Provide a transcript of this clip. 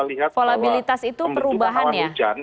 lihat kalau kembedukan awan hujan